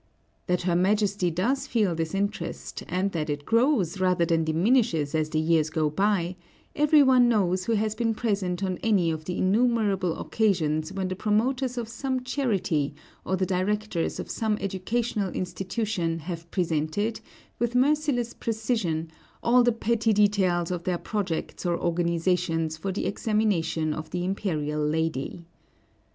That her Majesty does feel this interest, and that it grows rather than diminishes as the years go by, every one knows who has been present on any of the innumerable occasions when the promoters of some charity or the directors of some educational institution have presented, with merciless precision, all the petty details of their projects or organizations for the examination of the imperial lady.